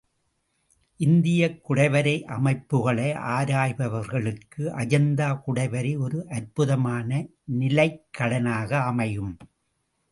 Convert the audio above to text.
இந்தியக் குடைவரை அமைப்புக்களை ஆராய்பவர்களுக்கு அஜந்தா குடைவரை ஒரு அற்புதமான நிலைக்களனாக அமையும்.